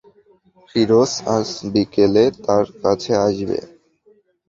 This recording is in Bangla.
ফিরোজ আজ বিকেলে তাঁর কাছে আসবে।